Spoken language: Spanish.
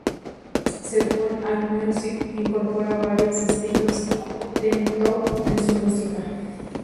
Según Allmusic, incorpora varios estilos "teen pop" en su música.